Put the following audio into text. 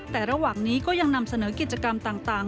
แต่ระหว่างนี้ก็ยังนำเสนอกิจกรรมต่าง